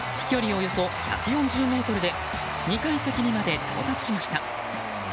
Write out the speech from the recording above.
およそ１４０ｍで２階席にまで到達しました。